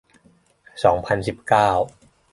สองพันสิบเก้า